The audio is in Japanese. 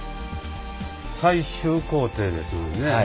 最終工程ですのでね